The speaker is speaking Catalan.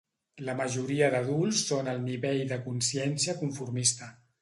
La majoria d'adults són al nivell de la consciència conformista.